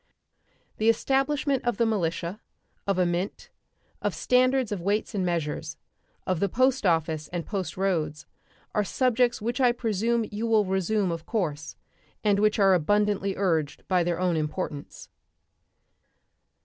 The establishment of the militia, of a mint, of standards of weights and measures, of the post office and post roads are subjects which I presume you will resume of course, and which are abundantly urged by their own importance.